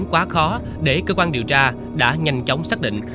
điều đó để cơ quan điều tra đã nhanh chóng xác định